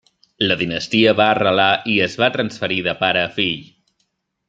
La dinastia va arrelar i es va transferir de pare a fill.